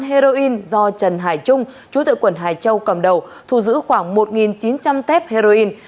heroin do trần hải trung chú tự quận hải châu cầm đầu thu giữ khoảng một chín trăm linh tép heroin